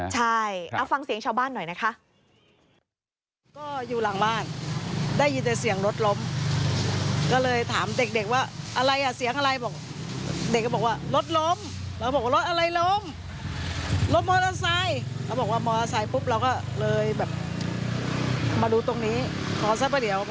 ใช่เอาฟังเสียงชาวบ้านหน่อยนะคะ